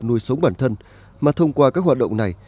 nuôi sống bản thân mà thông qua các hoạt động này